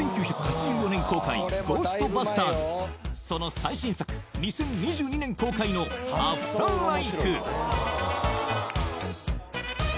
１９８４年公開「ゴーストバスターズ」その最新作２０２２年公開の「アフターライフ」